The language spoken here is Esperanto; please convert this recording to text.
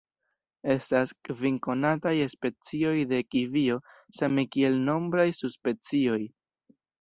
Estas kvin konataj specioj de kivio, same kiel nombraj subspecioj.